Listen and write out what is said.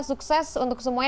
sukses untuk semuanya